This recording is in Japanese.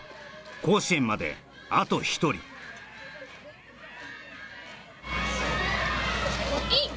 甲子園まであと一人イン！